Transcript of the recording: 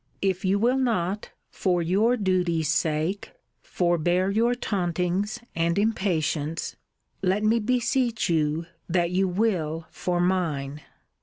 If you will not, for your duty's sake, forbear your tauntings and impatience, let me beseech you, that you will for mine.